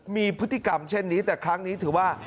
มีพฤติกรรมเช่นนี้แต่ครั้งนี้ถือว่า